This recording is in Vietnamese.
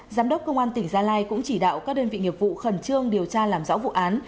giám đốc công an tỉnh gia lai cũng chỉ đạo các đơn vị nghiệp vụ khẩn trương điều tra làm rõ vụ án